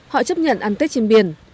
họ chấp nhận ăn tết trên biển